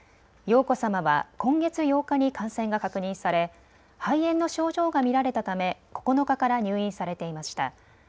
瑶子さまは今月８日に感染が確認され、肺炎の症状が見られたため９日から入院されていました。